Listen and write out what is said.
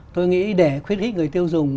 tôi nghĩ để khuyến khích người tiêu dùng